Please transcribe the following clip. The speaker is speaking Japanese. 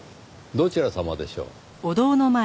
どちら様でしょう？